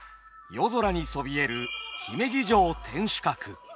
夜空にそびえる姫路城天守閣。